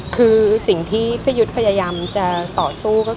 คือสิ่งที่พี่ยุทธพยายามจะต่อสู้ก็คือ